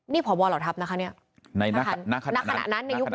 นี่พ่อบเหล่าทัพนะคะเนี่ย